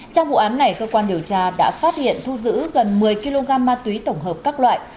trong vụ án này cơ quan điều tra đã phát hiện thu giữ gần một mươi kg ma túy tổng hợp các loại